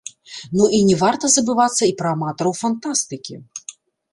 Ну і не варта забывацца і пра аматараў фантастыкі.